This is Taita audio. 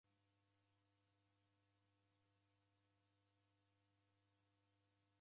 Mpira ghoida kimwaimwai ghuking'alang'ala.